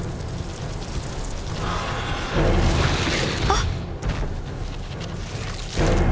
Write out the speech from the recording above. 「あっ！」。